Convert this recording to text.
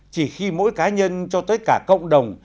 chỉ khi mỗi cá nhân cho tới cả cộng đồng